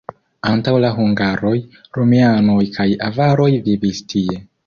Antaŭ la hungaroj, romianoj kaj avaroj vivis tie.